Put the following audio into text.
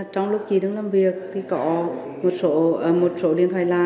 trong lúc chị đang làm việc thì có một số điện thoại là